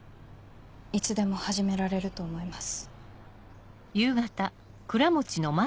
いつでも始められると思います。